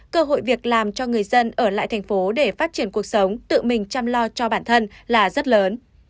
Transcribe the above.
cơ hội việc làm cho người dân ở lại thành phố để phát triển cuộc sống tự mình chăm lo cho bản thân là rất lớn